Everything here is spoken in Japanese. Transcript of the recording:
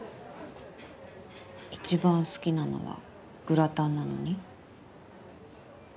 一番好きなのはグラタンなのに？